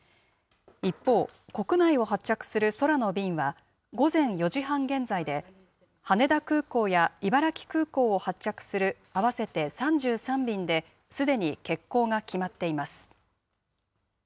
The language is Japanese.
一方、国内を発着する空の便は、午前４時半現在で、羽田空港や茨城空港を発着する、合わせて３３便ですでに欠航が決まっています。